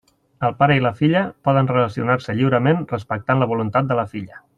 El pare i la filla poden relacionar-se lliurement respectant la voluntat de la filla.